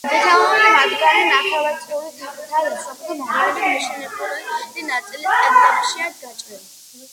თითოეული მათგანი ნახევარწრიული თაღითაა დასრულებული და მოგვიანებით მიშენებული ნაწილის კედლებშია გაჭრილი.